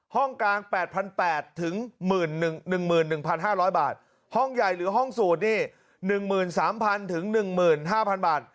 ห้องกลาง๘๘๐๐บาทถึง๑๑๕๐๐บาทห้องใหญ่หรือห้องสูด๑๓๐๐๐๑๕๐๐๐บาท